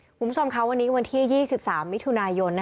คุณผู้ชมค่ะวันนี้วันที่๒๓มิถุนายน